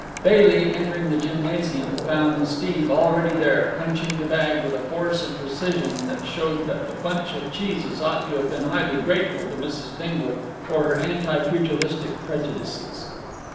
Bailey, entering the gymnasium, found Steve already there, punching the bag with a force and precision which showed that the bunch of cheeses ought to have been highly grateful to Mrs. Dingle for her anti pugilistic prejudices.